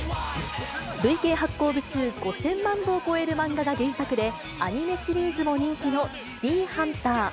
累計発行部数５０００万部を超える漫画が原作で、アニメシリーズも人気のシティーハンター。